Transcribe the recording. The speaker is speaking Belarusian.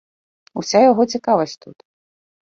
Уся яго цікавасць тут.